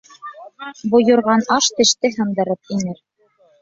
Бойорған аш теште һындырып инер.